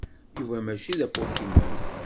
Yuba mačči d apokimon.